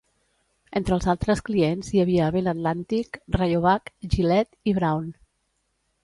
Entre els altres clients hi havia Bell Atlantic, Rayovac, Gillette i Braun.